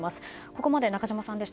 ここまで中島さんでした。